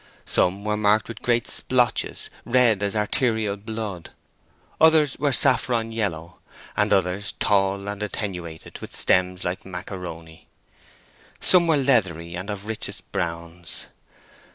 Some were marked with great splotches, red as arterial blood, others were saffron yellow, and others tall and attenuated, with stems like macaroni. Some were leathery and of richest browns.